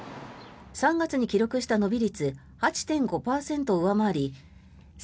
３月に記録した伸び率８．５％を上回り